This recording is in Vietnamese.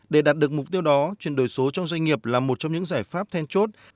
để đạt được mục tiêu đó chuyển đổi số trong doanh nghiệp là một trong những giải pháp then chốt